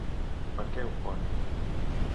Per què un pont?